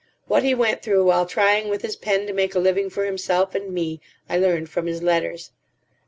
What he went through while trying with his pen to make a living for himself and me I learned from his letters.